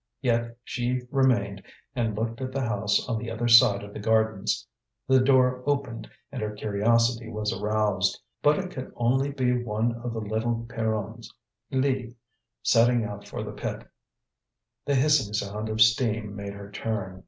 Yet she remained and looked at the house on the other side of the gardens. The door opened, and her curiosity was aroused. But it could only be one of the little Pierrons, Lydie, setting out for the pit. The hissing sound of steam made her turn.